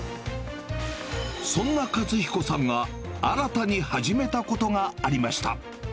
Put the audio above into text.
そんな和彦さんが新たに始めたことがありました。